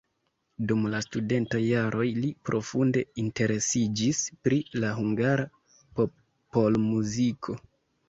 Dum la studentaj jaroj li profunde interesiĝis pri la hungara popolmuziko.